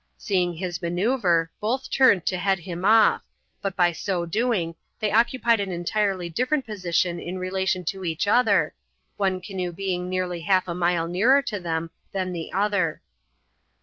Seeing his maneuver, both turned to head him off, but by so doing they occupied an entirely different position in relation to each other, one canoe being nearly half a mile nearer to them than the other.